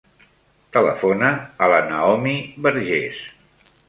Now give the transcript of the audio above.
Telefona a la Naomi Berges.